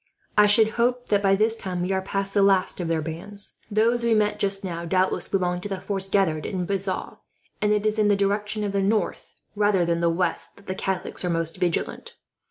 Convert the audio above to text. "I should hope that, by this time, we are past the last of their bands. Those we met just now doubtless belonged to the force gathered in Bazas; and it is in the direction of the north, rather than the west, that the Catholics are most vigilant.